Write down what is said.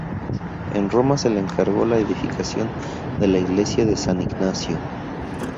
En Roma se le encargó la edificación de la iglesia de San Ignacio.